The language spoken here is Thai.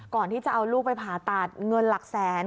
ก่อนที่จะเอาลูกไปผ่าตัดเงินหลักแสน